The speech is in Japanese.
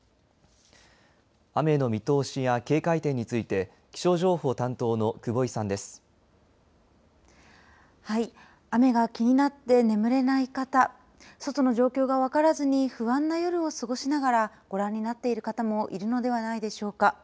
雨の見通しや警戒点について気象情報担当の雨が気になって眠れない方外の状況が分からずに不安な夜を過ごしながらご覧になっている方もいるのではないでしょうか。